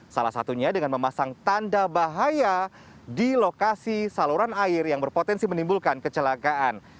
salah satunya dengan memasang tanda bahaya di lokasi saluran air yang berpotensi menimbulkan kecelakaan